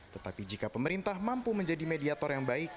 tetapi jika pemerintah mampu menjadi mediator yang baik